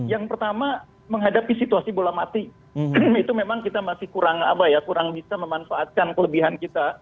yang pertama menghadapi situasi bola mati itu memang kita masih kurang bisa memanfaatkan kelebihan kita